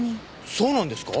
そうなんですか？